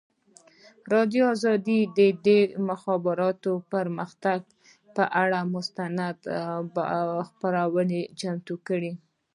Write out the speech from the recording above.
ازادي راډیو د د مخابراتو پرمختګ پر اړه مستند خپرونه چمتو کړې.